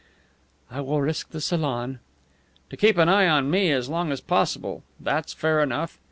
"I will risk the salon." "To keep an eye on me as long as possible. That's fair enough.